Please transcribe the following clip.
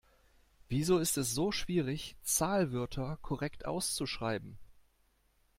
Wieso ist es so schwierig, Zahlwörter korrekt auszuschreiben?